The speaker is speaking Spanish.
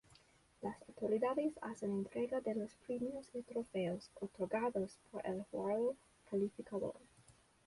Las Autoridades hacen entrega de los Premios y Trofeos otorgados por el Jurado calificador.